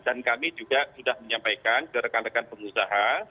dan kami juga sudah menyampaikan ke rekan rekan pengusaha